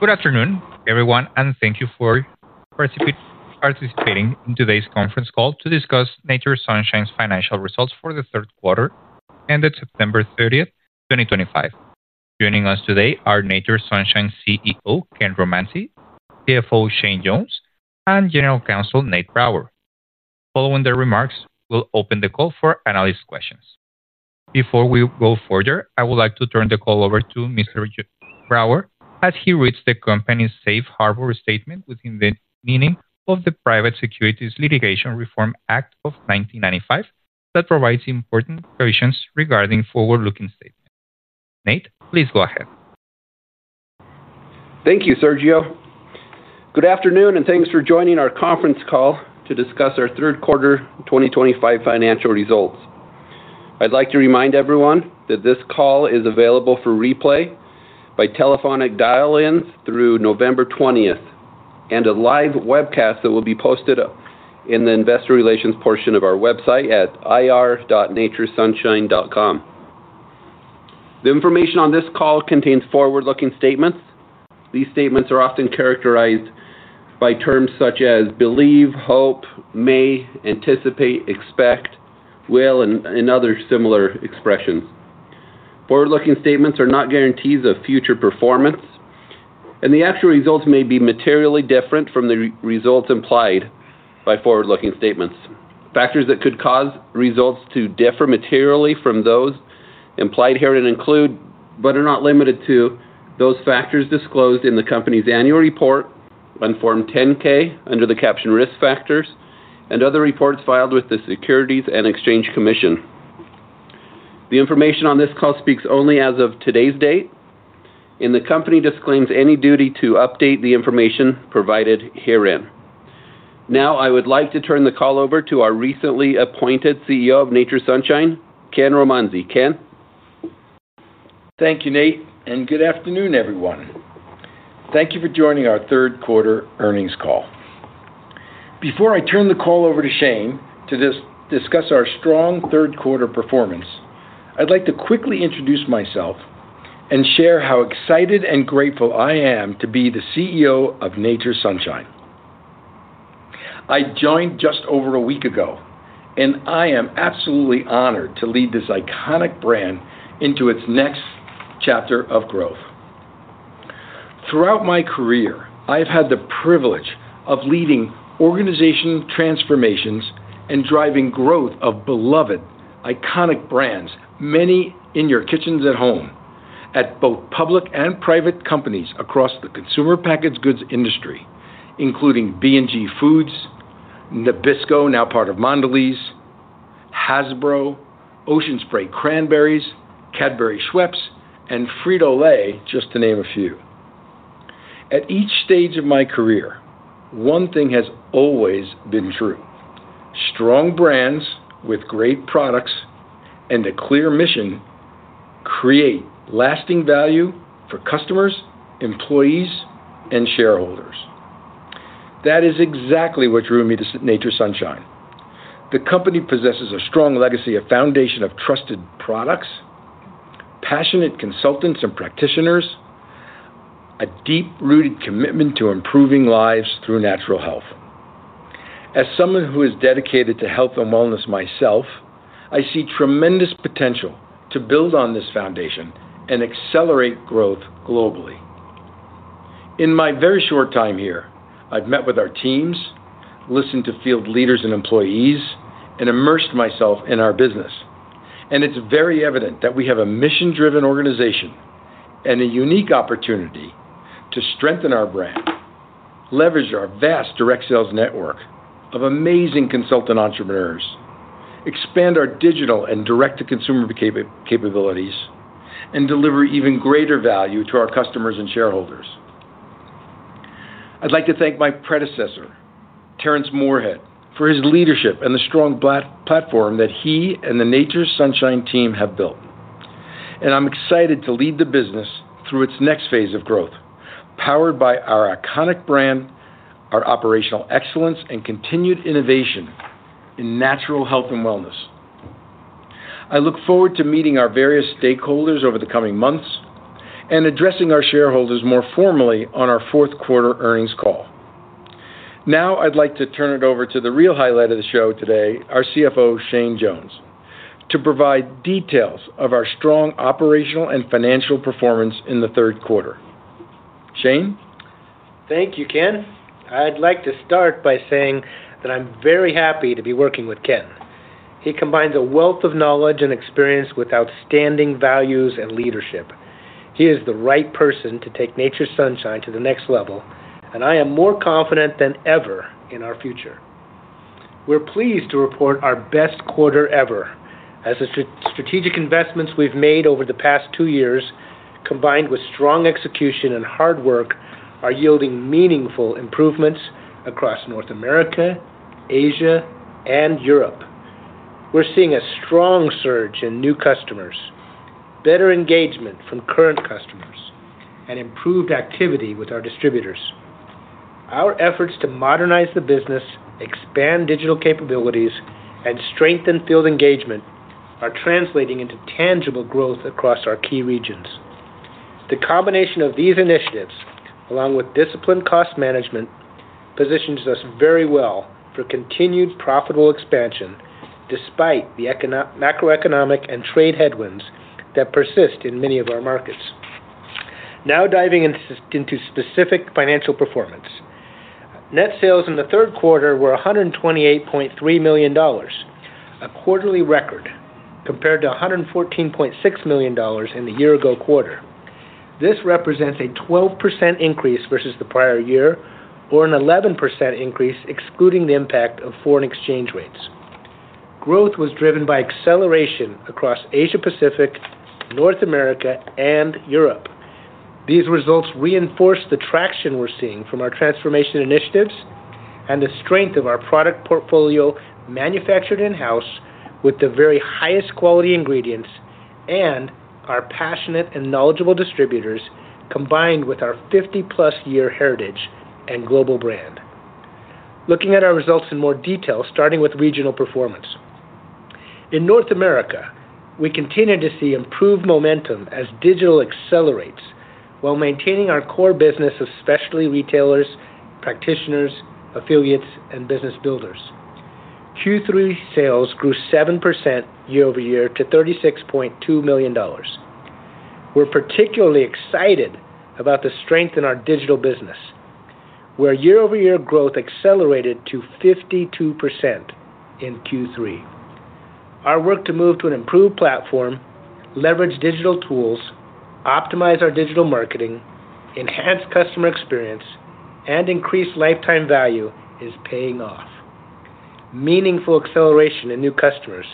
Good afternoon, everyone, and thank you for participating in today's conference call to discuss Nature's Sunshine's financial results for the third quarter ended September 30th 2025. Joining us today are Nature's Sunshine CEO, Ken Romanzi, CFO, Shane Jones, and General Counsel Nate Brower. Following their remarks, we'll open the call for analyst questions. Before we go further, I would like to turn the call over to Mr. Brower as he reads the company's safe harbor statement within the meaning of the Private Securities Litigation Reform Act of 1995 that provides important provisions regarding forward-looking statements. Nate, please go ahead. Thank you, Sergio. Good afternoon, and thanks for joining our conference call to discuss our third quarter 2025 financial results. I'd like to remind everyone that this call is available for replay by telephonic dial-ins through November 20th and a live webcast that will be posted in the investor relations portion of our website at ir.naturesunshine.com. The information on this call contains forward-looking statements. These statements are often characterized by terms such as believe, hope, may, anticipate, expect, will, and other similar expressions. Forward-looking statements are not guarantees of future performance, and the actual results may be materially different from the results implied by forward-looking statements. Factors that could cause results to differ materially from those implied here include, but are not limited to, those factors disclosed in the company's annual report, Form 10-K under the caption Risk Factors, and other reports filed with the Securities and Exchange Commission. The information on this call speaks only as of today's date, and the company disclaims any duty to update the information provided herein. Now, I would like to turn the call over to our recently appointed CEO of Nature's Sunshine, Ken Romanzi. Ken. Thank you, Nate, and good afternoon, everyone. Thank you for joining our third quarter earnings call. Before I turn the call over to Shane to discuss our strong third quarter performance, I'd like to quickly introduce myself. I want to share how excited and grateful I am to be the CEO of Nature's Sunshine. I joined just over a week ago, and I am absolutely honored to lead this iconic brand into its next chapter of growth. Throughout my career, I have had the privilege of leading organization transformations and driving growth of beloved iconic brands, many in your kitchens at home, at both public and private companies across the consumer packaged goods industry, including B&G Foods, Nabisco, now part of Mondelēz, Hasbro, Ocean Spray Cranberries, Cadbury Schweppes, and Frito-Lay, just to name a few. At each stage of my career, one thing has always been true. Strong brands with great products and a clear mission. Create lasting value for customers, employees, and shareholders. That is exactly what drew me to Nature's Sunshine. The company possesses a strong legacy of foundation of trusted products. Passionate consultants and practitioners. A deep-rooted commitment to improving lives through natural health. As someone who is dedicated to health and wellness myself, I see tremendous potential to build on this foundation and accelerate growth globally. In my very short time here, I've met with our teams, listened to field leaders and employees, and immersed myself in our business. It is very evident that we have a mission-driven organization and a unique opportunity to strengthen our brand, leverage our vast direct sales network of amazing consultant entrepreneurs, expand our digital and direct-to-consumer capabilities, and deliver even greater value to our customers and shareholders. I'd like to thank my predecessor, Terrence Moorehead, for his leadership and the strong platform that he and the Nature's Sunshine team have built. I am excited to lead the business through its next phase of growth, powered by our iconic brand, our operational excellence, and continued innovation in natural health and wellness. I look forward to meeting our various stakeholders over the coming months and addressing our shareholders more formally on our fourth quarter earnings call. Now, I'd like to turn it over to the real highlight of the show today, our CFO, Shane Jones, to provide details of our strong operational and financial performance in the third quarter. Shane. Thank you, Ken. I'd like to start by saying that I'm very happy to be working with Ken. He combines a wealth of knowledge and experience with outstanding values and leadership. He is the right person to take Nature's Sunshine to the next level, and I am more confident than ever in our future. We're pleased to report our best quarter ever, as the strategic investments we've made over the past two years, combined with strong execution and hard work, are yielding meaningful improvements across North America, Asia, and Europe. We're seeing a strong surge in new customers, better engagement from current customers, and improved activity with our distributors. Our efforts to modernize the business, expand digital capabilities, and strengthen field engagement are translating into tangible growth across our key regions. The combination of these initiatives, along with disciplined cost management. Positions us very well for continued profitable expansion despite the macroeconomic and trade headwinds that persist in many of our markets. Now diving into specific financial performance. Net sales in the third quarter were $128.3 million, a quarterly record compared to $114.6 million in the year-ago quarter. This represents a 12% increase versus the prior year, or an 11% increase excluding the impact of foreign exchange rates. Growth was driven by acceleration across Asia-Pacific, North America, and Europe. These results reinforce the traction we're seeing from our transformation initiatives and the strength of our product portfolio manufactured in-house with the very highest quality ingredients and our passionate and knowledgeable distributors combined with our 50+ year heritage and global brand. Looking at our results in more detail, starting with regional performance. In North America, we continue to see improved momentum as digital accelerates while maintaining our core business, especially retailers, practitioners, affiliates, and business builders. Q3 sales grew 7% year-over-year to $36.2 million. We're particularly excited about the strength in our digital business, where year-over-year growth accelerated to 52% in Q3. Our work to move to an improved platform, leverage digital tools, optimize our digital marketing, enhance customer experience, and increase lifetime value is paying off. Meaningful acceleration in new customers,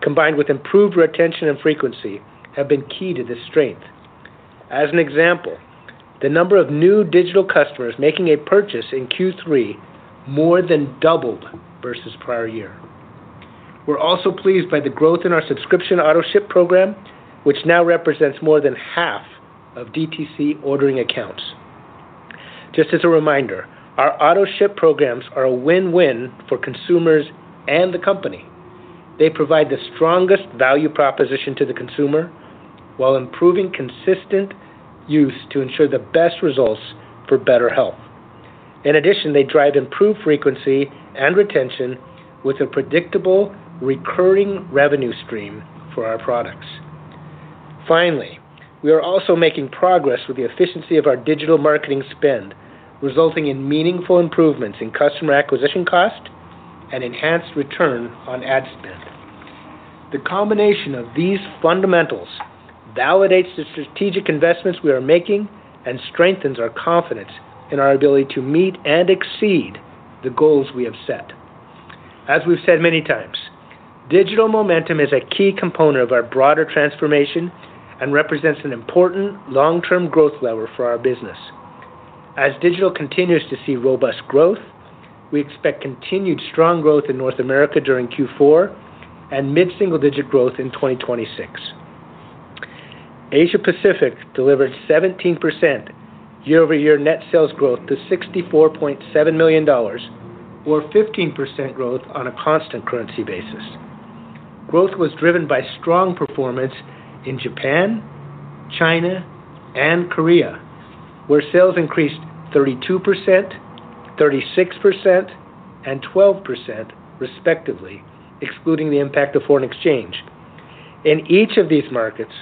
combined with improved retention and frequency, have been key to this strength. As an example, the number of new digital customers making a purchase in Q3 more than doubled versus prior year. We're also pleased by the growth in our subscription auto ship program, which now represents more than half of DTC ordering accounts. Just as a reminder, our auto ship programs are a win-win for consumers and the company. They provide the strongest value proposition to the consumer while improving consistent use to ensure the best results for better health. In addition, they drive improved frequency and retention with a predictable recurring revenue stream for our products. Finally, we are also making progress with the efficiency of our digital marketing spend, resulting in meaningful improvements in customer acquisition cost and enhanced return on ad spend. The combination of these fundamentals validates the strategic investments we are making and strengthens our confidence in our ability to meet and exceed the goals we have set. As we've said many times, digital momentum is a key component of our broader transformation and represents an important long-term growth lever for our business. As digital continues to see robust growth, we expect continued strong growth in North America during Q4 and mid-single-digit growth in 2026. Asia-Pacific delivered 17%. Year-over-year net sales growth to $64.7 million, or 15% growth on a constant currency basis. Growth was driven by strong performance in Japan, China, and Korea, where sales increased 32%, 36%, and 12%, respectively, excluding the impact of foreign exchange. In each of these markets,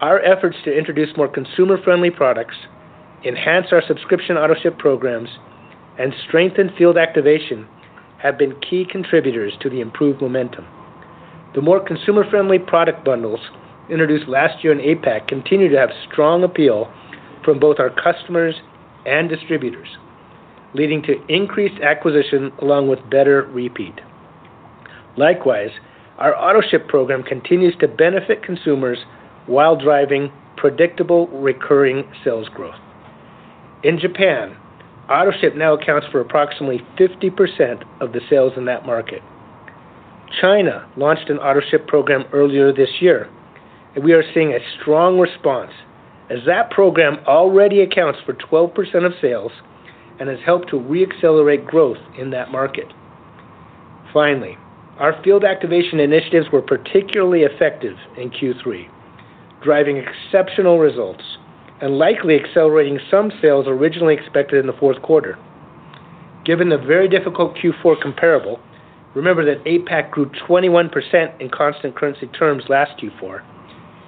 our efforts to introduce more consumer-friendly products, enhance our subscription auto ship programs, and strengthen field activation have been key contributors to the improved momentum. The more consumer-friendly product bundles introduced last year in APAC continue to have strong appeal from both our customers and distributors, leading to increased acquisition along with better repeat. Likewise, our auto ship program continues to benefit consumers while driving predictable recurring sales growth. In Japan, auto ship now accounts for approximately 50% of the sales in that market. China launched an auto ship program earlier this year, and we are seeing a strong response as that program already accounts for 12% of sales and has helped to re-accelerate growth in that market. Finally, our field activation initiatives were particularly effective in Q3, driving exceptional results and likely accelerating some sales originally expected in the fourth quarter. Given the very difficult Q4 comparable, remember that APAC grew 21% in constant currency terms last Q4,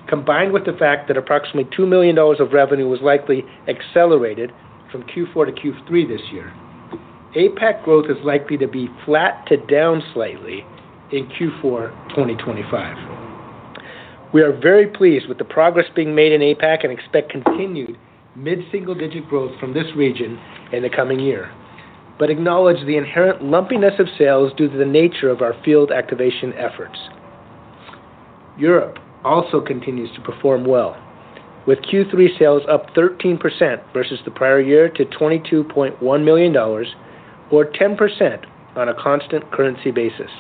combined with the fact that approximately $2 million of revenue was likely accelerated from Q4 to Q3 this year, APAC growth is likely to be flat to down slightly in Q4 2025. We are very pleased with the progress being made in APAC and expect continued mid-single-digit growth from this region in the coming year, but acknowledge the inherent lumpiness of sales due to the nature of our field activation efforts. Europe also continues to perform well, with Q3 sales up 13% versus the prior year to $22.1 million, or 10% on a constant currency basis.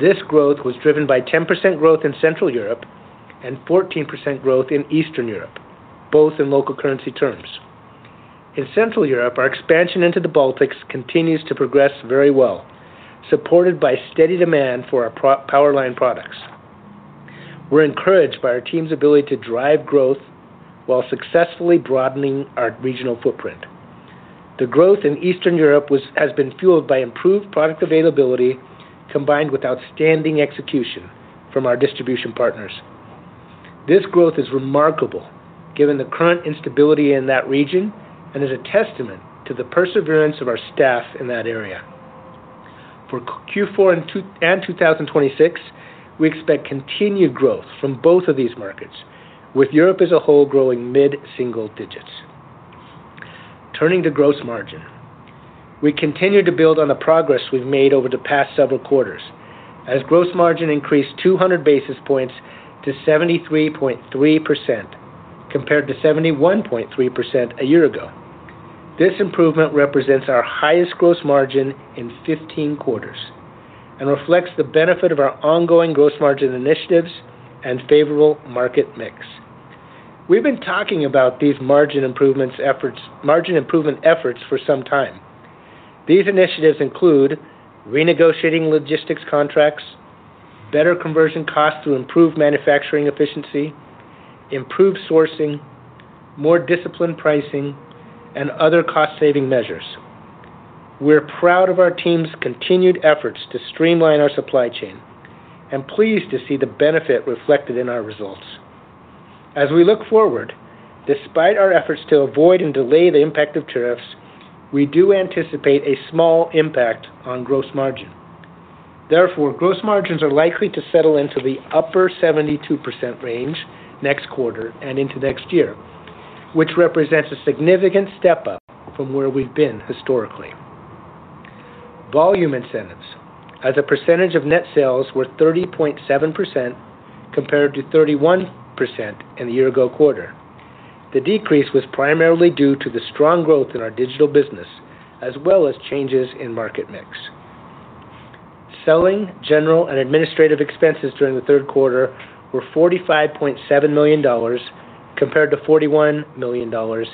This growth was driven by 10% growth in Central Europe and 14% growth in Eastern Europe, both in local currency terms. In Central Europe, our expansion into the Baltics continues to progress very well, supported by steady demand for our power line products. We are encouraged by our team's ability to drive growth while successfully broadening our regional footprint. The growth in Eastern Europe has been fueled by improved product availability combined with outstanding execution from our distribution partners. This growth is remarkable given the current instability in that region and is a testament to the perseverance of our staff in that area. For Q4 and 2026, we expect continued growth from both of these markets, with Europe as a whole growing mid-single digits. Turning to gross margin, we continue to build on the progress we've made over the past several quarters as gross margin increased 200 basis points to 73.3%, compared to 71.3% a year ago. This improvement represents our highest gross margin in 15 quarters and reflects the benefit of our ongoing gross margin initiatives and favorable market mix. We've been talking about these margin improvement efforts for some time. These initiatives include renegotiating logistics contracts, better conversion costs to improve manufacturing efficiency, improved sourcing, more disciplined pricing, and other cost-saving measures. We're proud of our team's continued efforts to streamline our supply chain and pleased to see the benefit reflected in our results. As we look forward, despite our efforts to avoid and delay the impact of tariffs, we do anticipate a small impact on gross margin. Therefore, gross margins are likely to settle into the upper 72% range next quarter and into next year, which represents a significant step up from where we've been historically. Volume incentives, as a percentage of net sales, were 30.7% compared to 31% in the year-ago quarter. The decrease was primarily due to the strong growth in our digital business as well as changes in market mix. Selling, general, and administrative expenses during the third quarter were $45.7 million compared to $41 million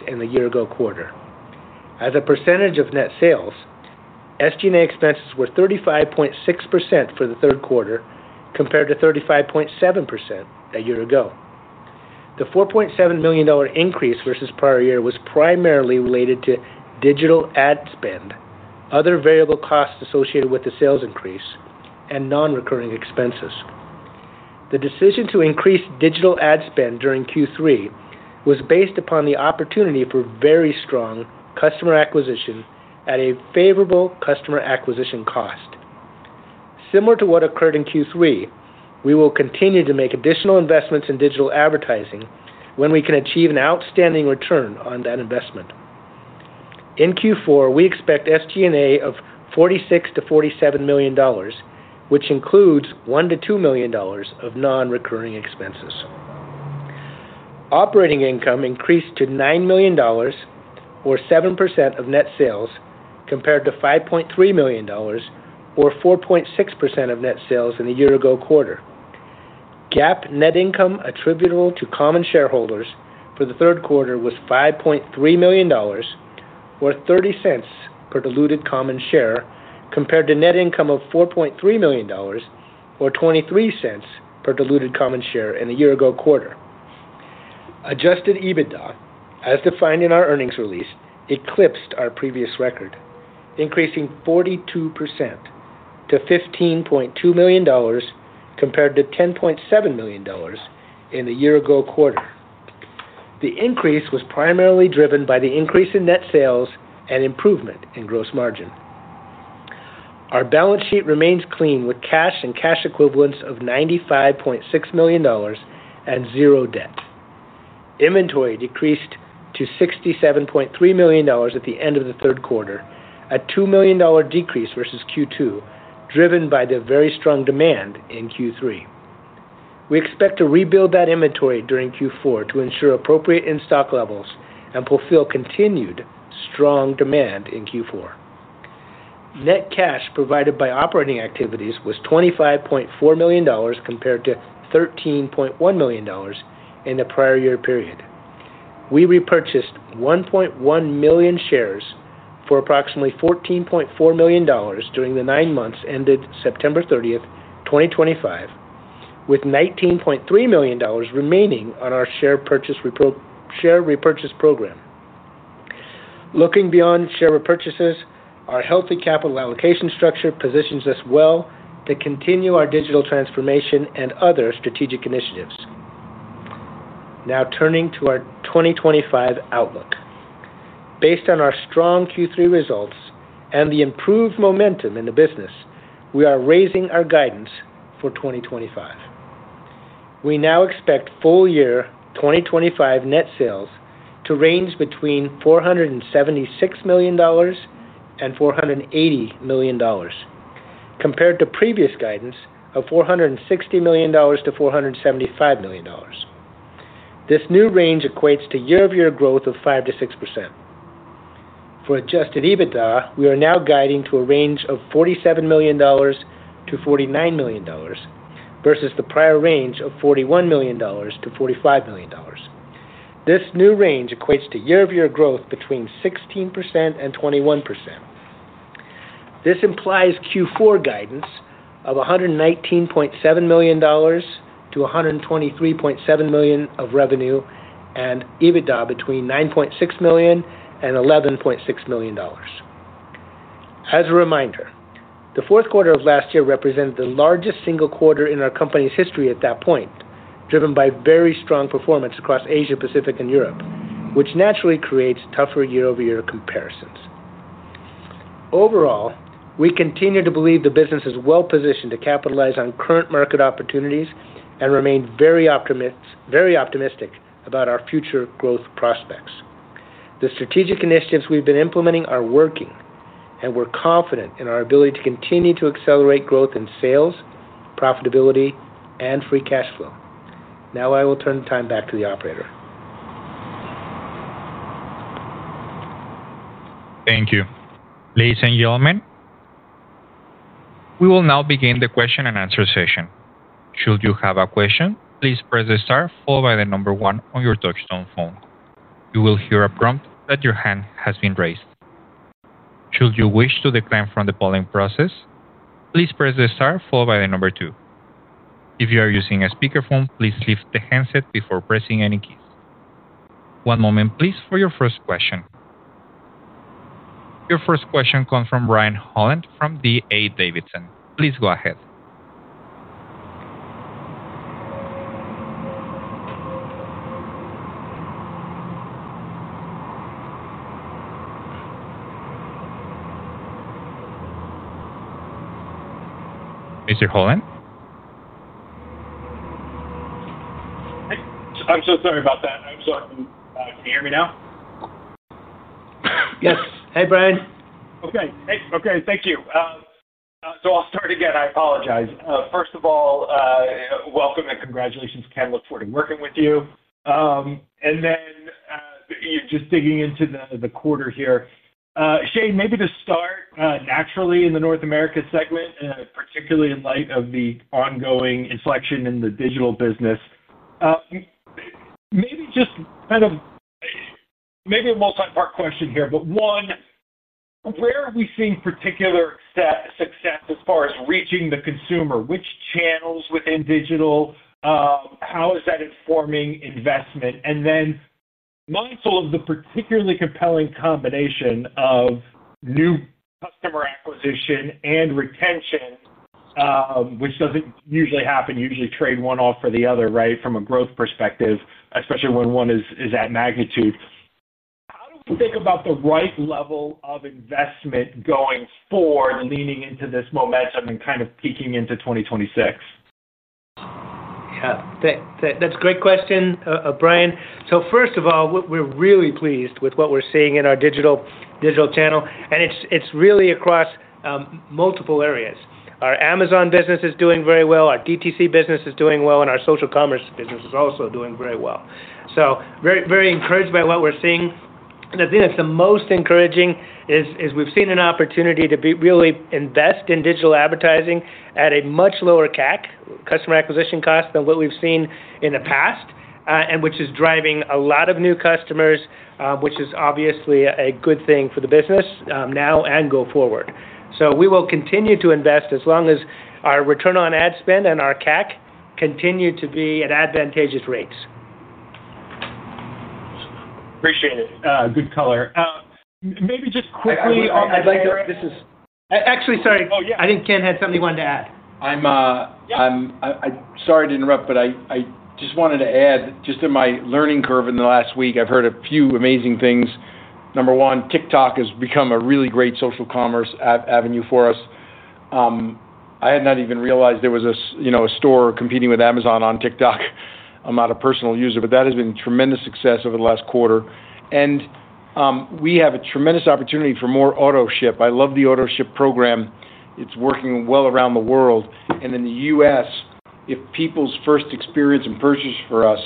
in the year-ago quarter. As a percentage of net sales, SG&A expenses were 35.6% for the third quarter compared to 35.7% a year ago. The $4.7 million increase versus prior year was primarily related to digital ad spend, other variable costs associated with the sales increase, and non-recurring expenses. The decision to increase digital ad spend during Q3 was based upon the opportunity for very strong customer acquisition at a favorable customer acquisition cost. Similar to what occurred in Q3, we will continue to make additional investments in digital advertising when we can achieve an outstanding return on that investment. In Q4, we expect SG&A of $46 million-$47 million, which includes $1 million-$2 million of non-recurring expenses. Operating income increased to $9 million, or 7% of net sales, compared to $5.3 million, or 4.6% of net sales in the year-ago quarter. GAAP net income attributable to common shareholders for the third quarter was $5.3 million, or $0.30 per diluted common share, compared to net income of $4.3 million, or $0.23 per diluted common share in the year-ago quarter. Adjusted EBITDA, as defined in our earnings release, eclipsed our previous record, increasing 42% to $15.2 million compared to $10.7 million in the year-ago quarter. The increase was primarily driven by the increase in net sales and improvement in gross margin. Our balance sheet remains clean with cash and cash equivalents of $95.6 million and zero debt. Inventory decreased to $67.3 million at the end of the third quarter, a $2 million decrease versus Q2, driven by the very strong demand in Q3. We expect to rebuild that inventory during Q4 to ensure appropriate in-stock levels and fulfill continued strong demand in Q4. Net cash provided by operating activities was $25.4 million compared to $13.1 million in the prior year period. We repurchased 1.1 million shares for approximately $14.4 million during the nine months ended September 30th 2025, with $19.3 million remaining on our share repurchase program. Looking beyond share repurchases, our healthy capital allocation structure positions us well to continue our digital transformation and other strategic initiatives. Now turning to our 2025 outlook. Based on our strong Q3 results and the improved momentum in the business, we are raising our guidance for 2025. We now expect full year 2025 net sales to range between $476 million and $480 million, compared to previous guidance of $460 million-$475 million. This new range equates to year-over-year growth of 5%-6%. For adjusted EBITDA, we are now guiding to a range of $47 million-$49 million versus the prior range of $41 million-$45 million. This new range equates to year-over-year growth between 16% and 21%. This implies Q4 guidance of $119.7 million-$123.7 million of revenue and EBITDA between $9.6 million and $11.6 million. As a reminder, the fourth quarter of last year represented the largest single quarter in our company's history at that point, driven by very strong performance across Asia, Pacific, and Europe, which naturally creates tougher year-over-year comparisons. Overall, we continue to believe the business is well positioned to capitalize on current market opportunities and remain very optimistic about our future growth prospects. The strategic initiatives we've been implementing are working, and we're confident in our ability to continue to accelerate growth in sales, profitability, and free cash flow. Now I will turn the time back to the operator. Thank you, ladies and gentlemen. We will now begin the question and answer session. Should you have a question, please press the star followed by the number one on your touch-tone phone. You will hear a prompt that your hand has been raised. Should you wish to decline from the polling process. Please press the star followed by the number two. If you are using a speakerphone, please lift the handset before pressing any keys. One moment, please, for your first question. Your first question comes from Brian Holland from D.A. Davidson. Please go ahead. Mr. Holland. I'm so sorry about that. I'm sorry. Can you hear me now? Yes. Hey, Brian. Okay. Okay. Thank you. So I'll start again. I apologize. First of all, welcome and congratulations. Can't look forward to working with you. And then just digging into the quarter here. Shane, maybe to start naturally in the North America segment, particularly in light of the ongoing inflection in the digital business. Maybe just kind of. Maybe a multi-part question here, but one. Where are we seeing particular. Success as far as reaching the consumer? Which channels within digital? How is that informing investment? And then mindful of the particularly compelling combination of new customer acquisition and retention, which does not usually happen, usually trade one off for the other, right, from a growth perspective, especially when one is at magnitude. How do we think about the right level of investment going forward, leaning into this momentum and kind of peaking into 2026? Yeah. That is a great question, Brian. First of all, we are really pleased with what we are seeing in our digital channel, and it is really across multiple areas. Our Amazon business is doing very well. Our DTC business is doing well, and our social commerce business is also doing very well. Very encouraged by what we are seeing. The thing that's the most encouraging is we've seen an opportunity to really invest in digital advertising at a much lower CAC, customer acquisition cost, than what we've seen in the past, and which is driving a lot of new customers, which is obviously a good thing for the business now and go forward. We will continue to invest as long as our return on ad spend and our CAC continue to be at advantageous rates. Appreciate it. Good color. Maybe just quickly on the. I’d like to—this is—actually, sorry. Oh, yeah. I think Ken had something he wanted to add. I'm sorry to interrupt, but I just wanted to add, just in my learning curve in the last week, I've heard a few amazing things. Number one, TikTok has become a really great social commerce ad avenue for us. I had not even realized there was a store competing with Amazon on TikTok. I'm not a personal user, but that has been tremendous success over the last quarter. We have a tremendous opportunity for more auto ship. I love the auto ship program. It's working well around the world. In the U.S., if people's first experience and purchase for us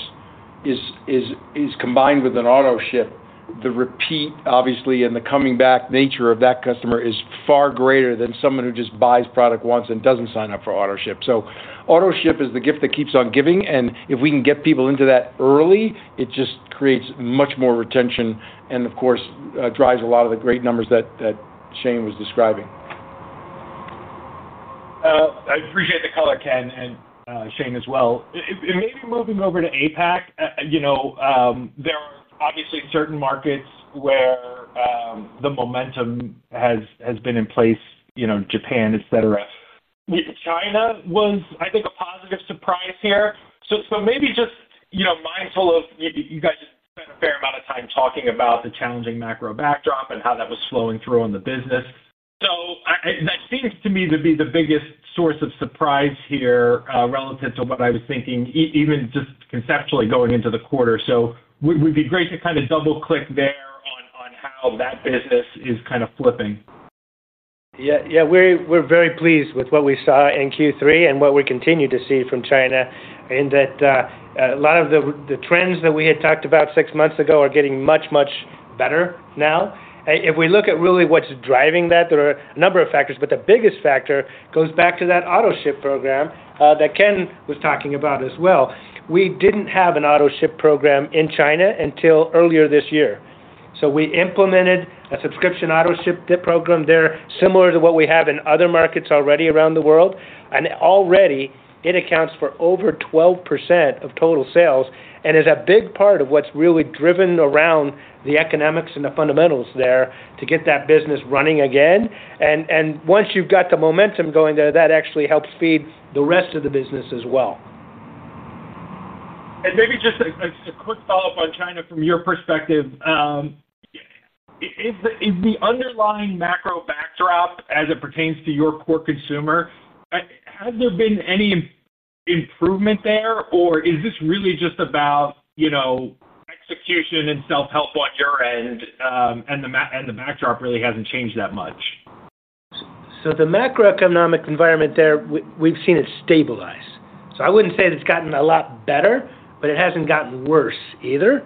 is combined with an auto ship, the repeat, obviously, and the coming back nature of that customer is far greater than someone who just buys product once and doesn't sign up for auto ship. Auto ship is the gift that keeps on giving, and if we can get people into that early, it just creates much more retention and, of course, drives a lot of the great numbers that Shane was describing. I appreciate the color, Ken and Shane as well. Maybe moving over to APAC. There are obviously certain markets where the momentum has been in place, Japan, etc. China was, I think, a positive surprise here. Maybe just mindful of you guys spent a fair amount of time talking about the challenging macro backdrop and how that was flowing through on the business. That seems to me to be the biggest source of surprise here relative to what I was thinking, even just conceptually going into the quarter. It would be great to kind of double-click there on how that business is kind of flipping. Yeah. Yeah. We're very pleased with what we saw in Q3 and what we continue to see from China in that a lot of the trends that we had talked about six months ago are getting much, much better now. If we look at really what's driving that, there are a number of factors, but the biggest factor goes back to that auto ship program that Ken was talking about as well. We didn't have an auto ship program in China until earlier this year. We implemented a subscription auto ship program there similar to what we have in other markets already around the world. Already, it accounts for over 12% of total sales and is a big part of what's really driven around the economics and the fundamentals there to get that business running again. Once you've got the momentum going there, that actually helps feed the rest of the business as well. Maybe just a quick follow-up on China from your perspective. Is the underlying macro backdrop, as it pertains to your core consumer, has there been any improvement there, or is this really just about execution and self-help on your end, and the backdrop really has not changed that much? The macroeconomic environment there, we have seen it stabilize. I would not say it has gotten a lot better, but it has not gotten worse either.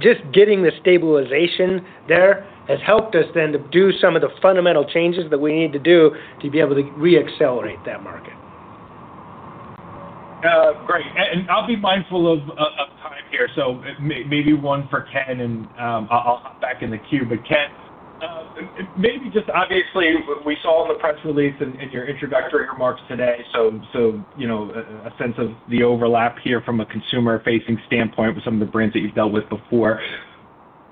Just getting the stabilization there has helped us then to do some of the fundamental changes that we need to do to be able to re-accelerate that market. Great. I will be mindful of time here. Maybe one for Ken, and I will hop back in the queue. Ken, maybe just obviously, we saw in the press release and your introductory remarks today, a sense of the overlap here from a consumer-facing standpoint with some of the brands that you have dealt with before.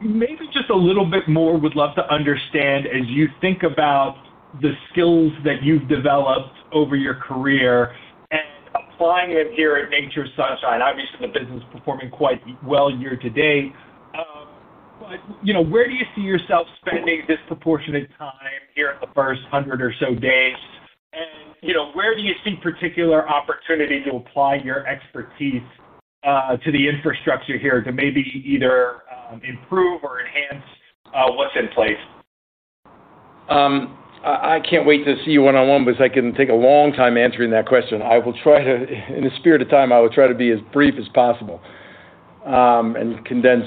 Maybe just a little bit more, would love to understand as you think about the skills that you've developed over your career and applying them here at Nature's Sunshine. Obviously, the business is performing quite well year to date. Where do you see yourself spending disproportionate time here in the first hundred or so days? Where do you see particular opportunity to apply your expertise to the infrastructure here to maybe either improve or enhance what's in place? I can't wait to see you one-on-one because I can take a long time answering that question. In the spirit of time, I will try to be as brief as possible and condense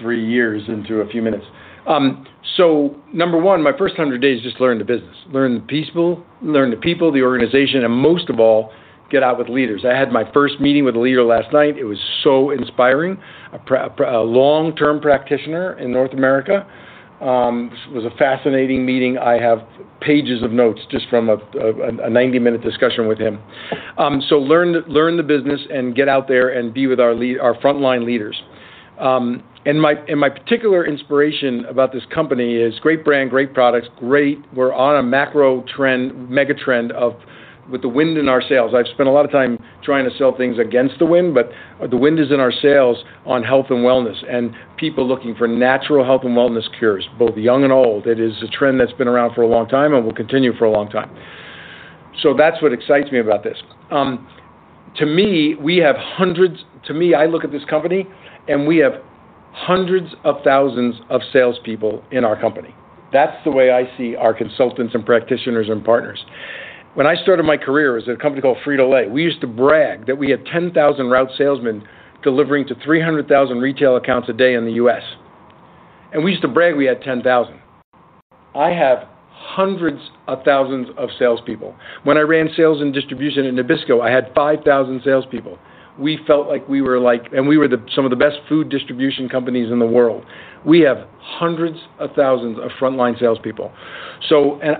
43 years into a few minutes. Number one, my first hundred days just learn the business. Learn the people, the organization, and most of all, get out with leaders. I had my first meeting with a leader last night. It was so inspiring. A long-term practitioner in North America. It was a fascinating meeting. I have pages of notes just from a 90-minute discussion with him. Learn the business and get out there and be with our frontline leaders. My particular inspiration about this company is great brand, great products, great—we are on a macro trend, mega trend with the wind in our sails. I have spent a lot of time trying to sell things against the wind, but the wind is in our sails on health and wellness and people looking for natural health and wellness cures, both young and old. It is a trend that has been around for a long time and will continue for a long time. That is what excites me about this. To me, I look at this company, and we have hundreds of thousands of salespeople in our company. That's the way I see our consultants and practitioners and partners. When I started my career at a company called Frito-Lay, we used to brag that we had 10,000 route salesmen delivering to 300,000 retail accounts a day in the U.S. We used to brag we had 10,000. I have hundreds of thousands of salespeople. When I ran sales and distribution in Nabisco, I had 5,000 salespeople. We felt like we were like—we were some of the best food distribution companies in the world. We have hundreds of thousands of frontline salespeople.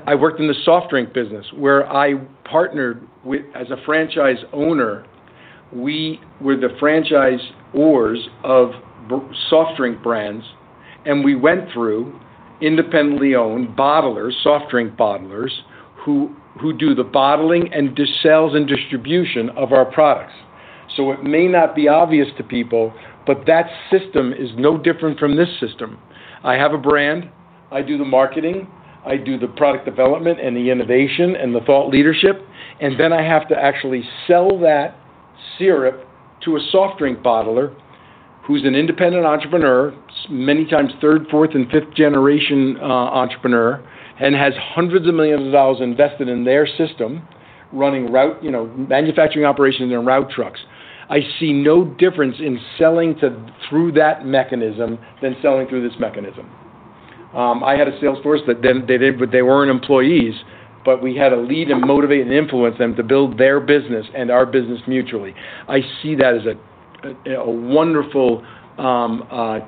I worked in the soft drink business where I partnered with, as a franchise owner. We were the franchisors of soft drink brands, and we went through independently owned bottlers, soft drink bottlers, who do the bottling and sales and distribution of our products. It may not be obvious to people, but that system is no different from this system. I have a brand. I do the marketing. I do the product development and the innovation and the thought leadership. And then I have to actually sell that syrup to a soft drink bottler who's an independent entrepreneur, many times third, fourth, and fifth generation entrepreneur, and has hundreds of millions of dollars invested in their system running route manufacturing operations and route trucks. I see no difference in selling through that mechanism than selling through this mechanism. I had a salesforce that they weren't employees, but we had to lead and motivate and influence them to build their business and our business mutually. I see that as a wonderful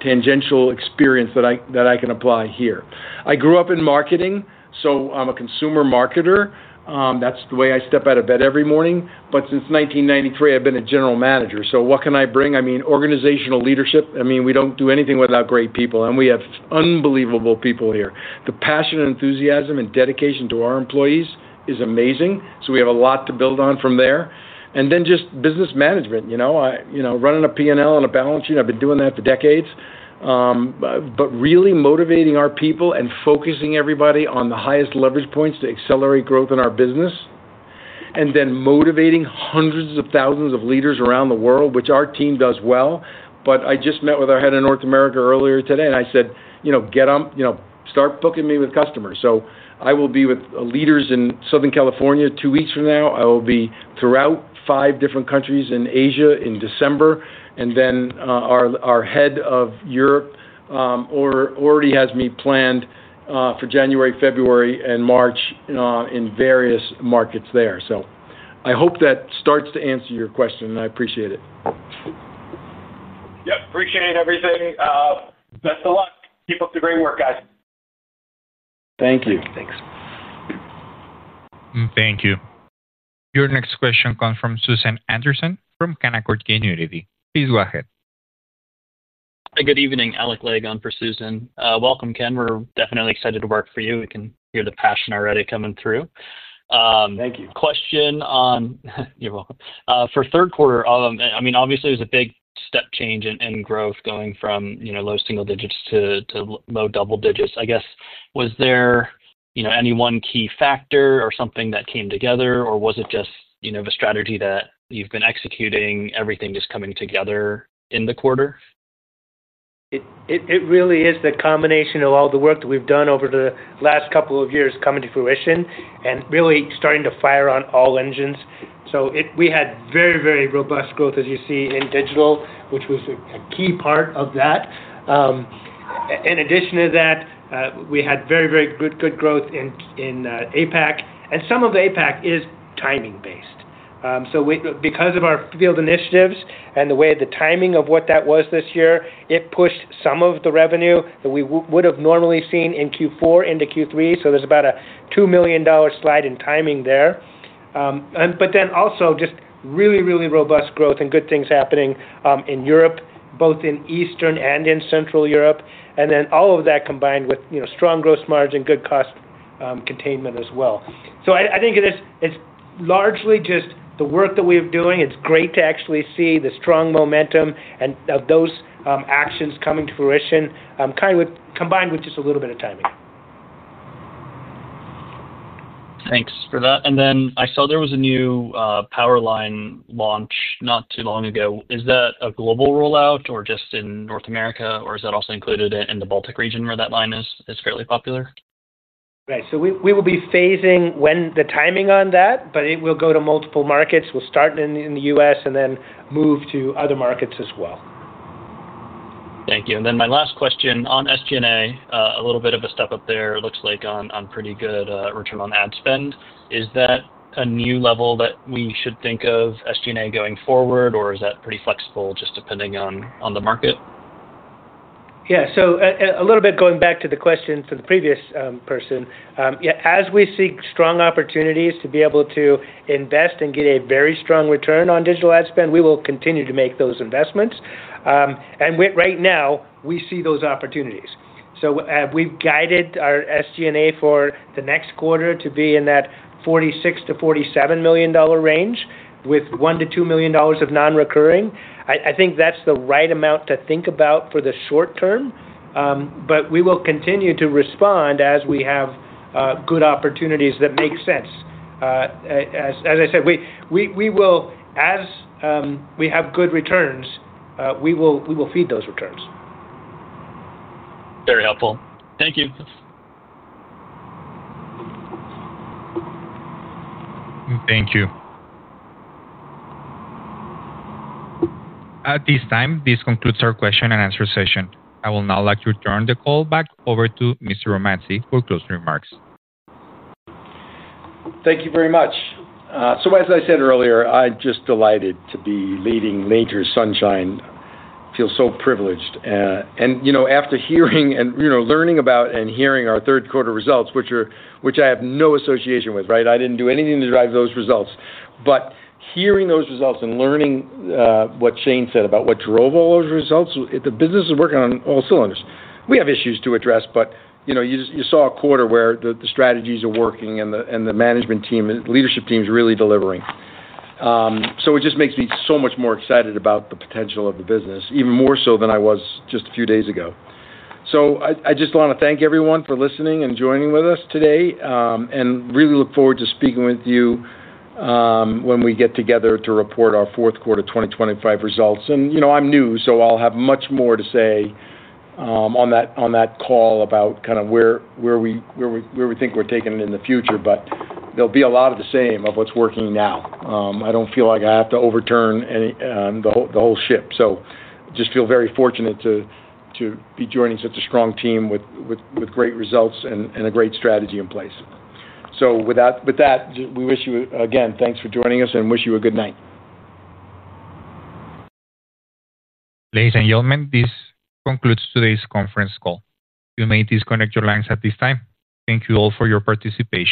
tangential experience that I can apply here. I grew up in marketing, so I'm a consumer marketer. That's the way I step out of bed every morning. Since 1993, I've been a general manager. What can I bring? I mean, organizational leadership. I mean, we don't do anything without great people, and we have unbelievable people here. The passion and enthusiasm and dedication to our employees is amazing. We have a lot to build on from there. Just business management. Running a P&L and a balance sheet. I've been doing that for decades. Really motivating our people and focusing everybody on the highest leverage points to accelerate growth in our business. Motivating hundreds of thousands of leaders around the world, which our team does well. I just met with our Head of North America earlier today, and I said, "Get up start booking me with customers." I will be with leaders in Southern California two weeks from now. I will be throughout five different countries in Asia in December. Our head of Europe already has me planned for January, February, and March in various markets there. I hope that starts to answer your question, and I appreciate it. Yep. Appreciate everything. Best of luck. Keep up the great work, guys. Thank you. Thank you. Your next question comes from Susan Anderson from Canaccord Genuity. Please go ahead. Hi. Good evening. Alec Legg on for Susan. Welcome, Ken. We're definitely excited to work for you. We can hear the passion already coming through. Thank you. Question on—you're welcome. For third quarter, I mean, obviously, it was a big step change in growth going from low single digits to low double digits. I guess, was there. Any one key factor or something that came together, or was it just the strategy that you've been executing, everything just coming together in the quarter? It really is the combination of all the work that we've done over the last couple of years coming to fruition and really starting to fire on all engines. We had very, very robust growth, as you see, in digital, which was a key part of that. In addition to that, we had very, very good growth in APAC. Some of the APAC is timing-based. Because of our field initiatives and the way the timing of what that was this year, it pushed some of the revenue that we would have normally seen in Q4 into Q3. There is about a $2 million slide in timing there. But then also just really, really robust growth and good things happening in Europe, both in Eastern and in Central Europe. All of that combined with strong gross margin, good cost containment as well. I think it's largely just the work that we're doing. It's great to actually see the strong momentum of those actions coming to fruition, combined with just a little bit of timing. Thanks for that. I saw there was a new power line launch not too long ago. Is that a global rollout or just in North America, or is that also included in the Baltic region where that line is fairly popular? Right. We will be phasing the timing on that, but it will go to multiple markets. We'll start in the U.S. and then move to other markets as well. Thank you. And then my last question on SG&A, a little bit of a step up there, it looks like on pretty good return on ad spend. Is that a new level that we should think of SG&A going forward, or is that pretty flexible just depending on the market? Yeah. A little bit going back to the question from the previous person. As we see strong opportunities to be able to invest and get a very strong return on digital ad spend, we will continue to make those investments. Right now, we see those opportunities. We have guided our SG&A for the next quarter to be in that $46 million-$47 million range with $1 million-$2 million of non-recurring. I think that is the right amount to think about for the short term. We will continue to respond as we have good opportunities that make sense. As I said, we have good returns, we will feed those returns. Very helpful. Thank you. Thank you. At this time, this concludes our question and answer session. I would now like to turn the call back over to Mr. Romanzi for closing remarks. Thank you very much. As I said earlier, I'm just delighted to be leading Nature's Sunshine. I feel so privileged. And after hearing and learning about and hearing our third quarter results, which I have no association with, right? I didn't do anything to drive those results. But hearing those results and learning what Shane said about what drove all those results, the business is working on all cylinders. We have issues to address, but you saw a quarter where the strategies are working and the management team and leadership team is really delivering. It just makes me so much more excited about the potential of the business, even more so than I was just a few days ago. I just want to thank everyone for listening and joining with us today and really look forward to speaking with you when we get together to report our fourth quarter 2025 results. I'm new, so I'll have much more to say on that call about kind of where we think we're taking it in the future. There will be a lot of the same of what's working now. I don't feel like I have to overturn the whole ship. I just feel very fortunate to be joining such a strong team with great results and a great strategy in place. With that, we wish you, again, thanks for joining us and wish you a good night. Ladies and gentlemen, this concludes today's conference call. You may disconnect your lines at this time. Thank you all for your participation.